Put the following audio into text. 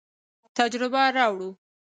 تجربه راوړو.